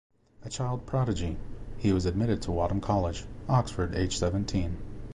A child prodigy, he was admitted to Wadham College, Oxford aged seventeen.